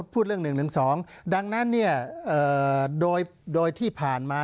พูดเรื่อง๑๑๒ดังนั้นโดยที่ผ่านมา